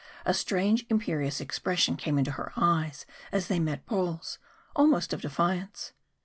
A strange imperious expression came into her eyes as they met Paul's almost of defiance.